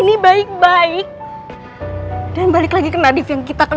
tidak ada yang bisa menguruskan diri gue